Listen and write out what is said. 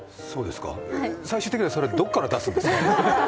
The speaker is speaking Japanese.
最終的にはそれどこから出すんですか？